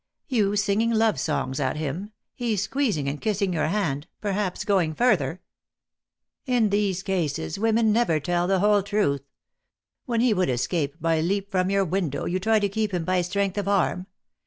You singing love songs at him, he squeezing and kissing your hand perhaps going further. In these cases, women never tell the whole truth ! When he would escape by a leap from your window, you try to keep him by strength of arm.